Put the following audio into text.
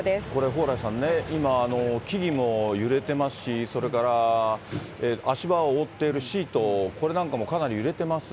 蓬莱さんね、今、木々も揺れてますし、それから足場を覆っているシート、これなんかもかなり揺れてます。